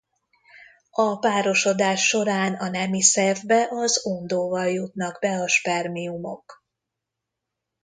A párosodás során a nemi szervbe az ondóval jutnak be a spermiumok.